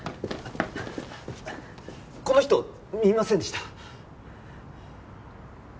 この人見ませんでした？